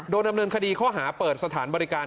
โดนดำเนินคดีข้อหาเปิดสถานบริการ